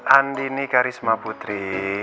andi nih karisma putri